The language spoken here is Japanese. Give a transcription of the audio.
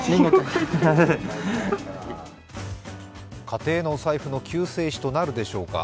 家庭のお財布の救世主となるでしょうか。